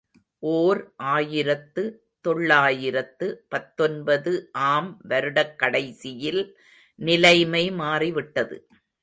ஓர் ஆயிரத்து தொள்ளாயிரத்து பத்தொன்பது ஆம் வருடக் கடைசியில் நிலைமை மாறிவிட்டது.